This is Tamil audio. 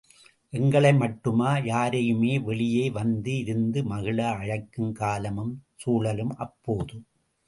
எங்களை மட்டுமா, யாரையுமே, வெளியே வந்து, இருந்து, மகிழ அழைக்கும் காலமும் சூழலும் அப்போது.